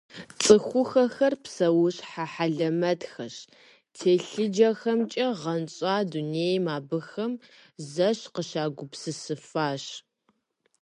Цӏыхухэр псэущхьэ хьэлэмэтхэщ - телъыджэхэмкӏэ гъэнщӏа дунейм абыхэм зэш къыщагупсысыфащ.